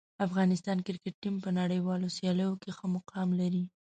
افغانستان کرکټ ټیم په نړیوالو سیالیو کې ښه مقام لري.